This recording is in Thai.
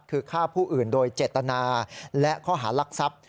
คือฆ่าผู้อื่นโดยเจตนาและข้อหารักทรัพย์